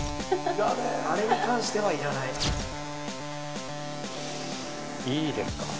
あれに関してはいらないいいですか？